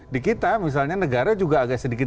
di kita misalnya negara juga agak sedikit